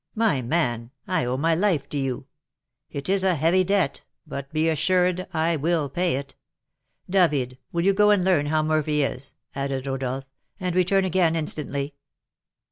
"My man, I owe my life to you; it is a heavy debt, but be assured I will pay it. David, will you go and learn how Murphy is," added Rodolph, "and return again instantly?"